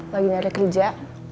lagi nyari kerja